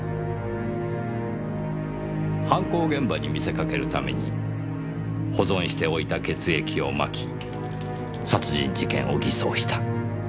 犯行現場に見せかけるために保存しておいた血液を撒き殺人事件を偽装した。